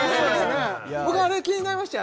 僕はあれ気になりましたよ